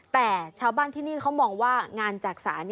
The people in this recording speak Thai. แต่ชาวบ้านที่นี่เขามองว่างานจักษาน